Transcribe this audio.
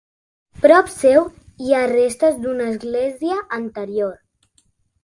Prop seu hi ha restes d'una església anterior.